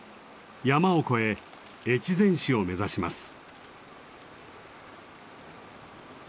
山を越え越前市を目指します。